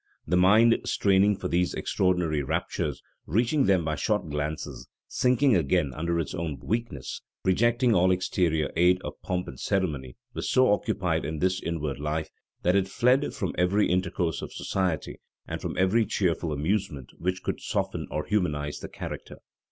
The mind, straining for these extraordinary raptures, reaching them by short glances, sinking again under its own weakness, rejecting all exterior aid of pomp and ceremony, was so occupied in this inward life, that It fled from every intercourse of society, and from every cheerful amusement which could soften or humanize the character.